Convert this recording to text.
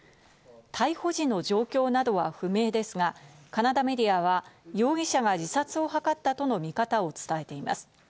逮捕時の状況などは不明ですが、カナダメディアは容疑者が自殺を図ったとの見方を伝えています。